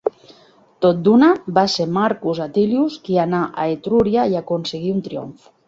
Tot d'una, va ser Marcus Atilius qui anà a Etruria i aconseguí un triomf.